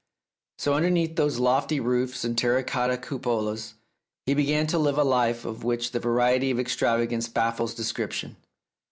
So underneath those lofty roofs and terra cotta cupolas, he began to live a life of which the variety and extravagance baffles description.